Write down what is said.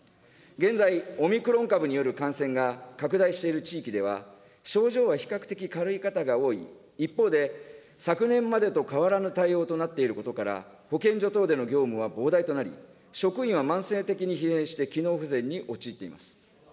現在、オミクロン株による感染が拡大している地域では、症状は比較的軽い方が多い、一方で、昨年までと変わらぬ対応となっていることから、保健所等での業務は膨大となり、職員は慢性的に疲弊して、機能不全に陥っています。